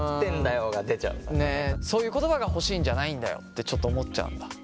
そういう言葉が欲しいんじゃないんだよってちょっと思っちゃうんだ。